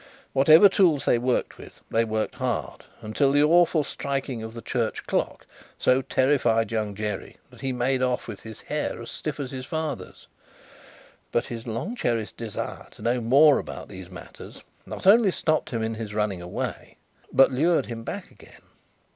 Whatever tools they worked with, they worked hard, until the awful striking of the church clock so terrified Young Jerry, that he made off, with his hair as stiff as his father's. But, his long cherished desire to know more about these matters, not only stopped him in his running away, but lured him back again.